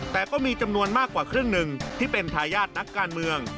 แต่ก็มีจำนวนมากกว่าครึ่งหนึ่งที่เป็นทายาทนักการเมือง